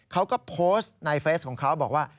เขาก็โพสต์ในเฟสของเขาบอกว่า